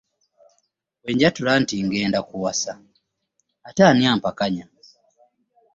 Bwe njatula nti ŋŋenda kuwasa ate ani ampakanya?